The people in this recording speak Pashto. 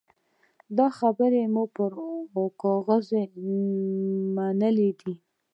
دا خبرې مو پر کاغذ منلي دي.